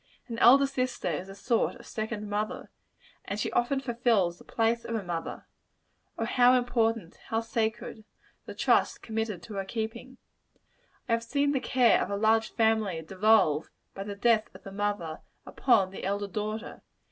An elder sister is a sort of second mother; and she often fulfils the place of a mother. Oh, how important how sacred the trust committed to her keeping. I have seen the care of a large family devolve, by the death of the mother, upon the elder daughter.